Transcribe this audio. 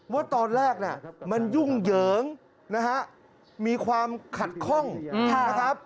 ว่าตอนแรกน่ะมันยุ่งเหยิงนะฮะมีความขัดข้องนะครับ